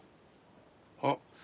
あっ。